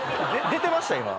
出てました？